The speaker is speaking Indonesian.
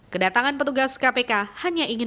kedatangan petugas kpk hanya ingin